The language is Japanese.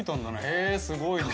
へえーすごいね！